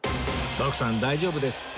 徳さん大丈夫ですって